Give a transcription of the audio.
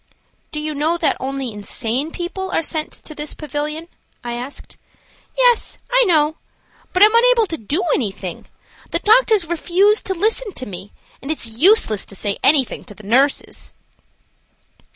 "Do you know that only insane people are sent to this pavilion?" I asked. "Yes, I know; but I am unable to do anything. The doctors refuse to listen to me, and it is useless to say anything to the nurses."